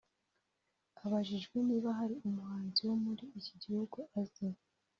Abajijwe niba hari umuhanzi wo muri iki gihugu azi